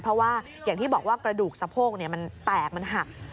เพราะว่าอย่างที่บอกว่ากระดูกสะโพกมันแตกมันหัก